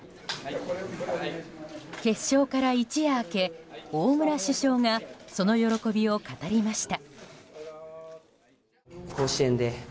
決勝から一夜明け大村主将がその喜びを語りました。